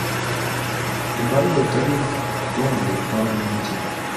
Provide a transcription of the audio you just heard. Ebbaluwa etali ntongole efaanana etya?